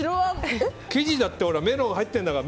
生地だってメロン入ってるんだから。